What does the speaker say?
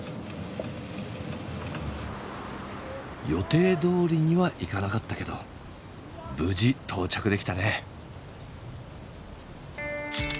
予定どおりにはいかなかったけど無事到着できたね。